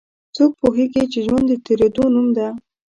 څوک پوهیږي چې ژوند د تیریدو نوم ده